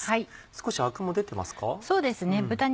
少しアクも出てますか？